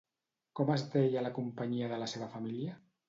Com es deia la companyia de la seva família?